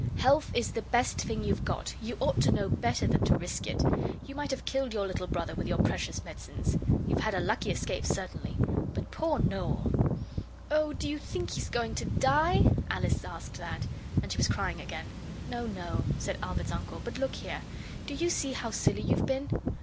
Health is the best thing you've got; you ought to know better than to risk it. You might have killed your little brother with your precious medicines. You've had a lucky escape, certainly. But poor Noel!' 'Oh, do you think he's going to die?' Alice asked that, and she was crying again. 'No, no,' said Albert's uncle; 'but look here. Do you see how silly you've been?